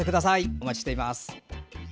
お待ちしています。